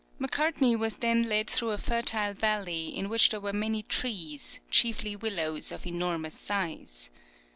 Macartney was then led through a fertile valley, in which there were many trees, chiefly willows of enormous size.